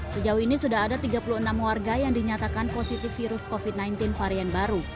sejauh ini sudah ada tiga puluh enam warga yang dinyatakan positif virus covid sembilan belas varian baru